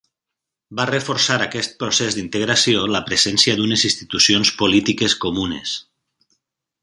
Va reforçar aquest procés d'integració la presència d'unes institucions polítiques comunes.